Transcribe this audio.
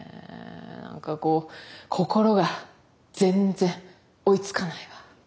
何かこう心が全然追いつかないわ。